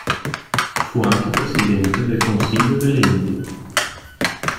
Fu anche presidente del Consiglio delle Indie.